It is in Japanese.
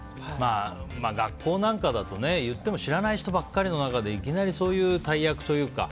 学校なんかだといっても知らない人ばかりの中でいきなりそういう大役というか。